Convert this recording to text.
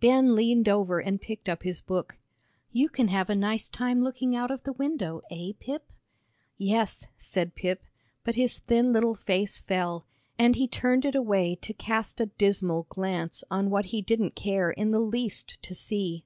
Ben leaned over and picked up his book. "You can have a nice time looking out of the window, eh, Pip?" "Yes," said Pip, but his thin little face fell, and he turned it away to cast a dismal glance on what he didn't care in the least to see.